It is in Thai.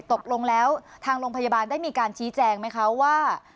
ตกลงแล้วทางโรงพยาบาลได้มีการชี้แจงไหมคะว่า